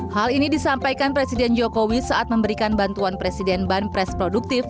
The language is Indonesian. hal ini disampaikan presiden jokowi saat memberikan bantuan presiden ban pres produktif